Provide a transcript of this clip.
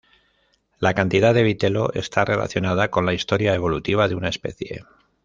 La cantidad de vitelo está relacionada con la historia evolutiva de una especie.